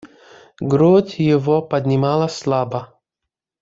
Грудь его поднималась слабо.